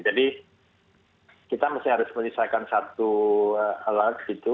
jadi kita masih harus menisahkan satu alat gitu